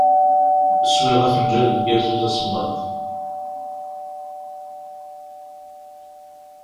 Swiɣ afenǧal n lgazuz asemmaḍ.